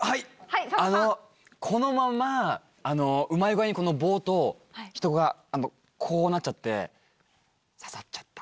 このままうまい具合に棒と人がこうなっちゃって刺さっちゃった。